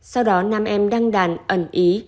sau đó nam em đăng đàn ẩn ý